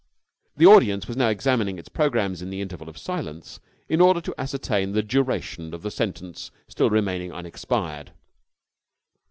The audience was now examining its programmes in the interval of silence in order to ascertain the duration of the sentence still remaining unexpired.